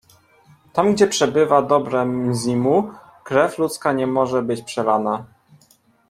Tam, gdzie przebywa dobre Mzimu, krew ludzka nie może być przelana.